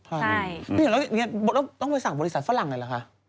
แล้วต้องไปสั่งบริษัทฝรั่งไหนล่ะคะ